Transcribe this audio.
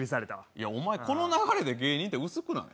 いや、お前、この流れで芸人、薄くない？